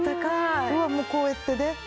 もうこうやってね。